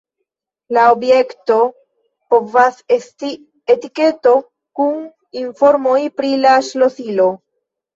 La objekto povas esti etikedo kun informoj pri la ŝlosilo.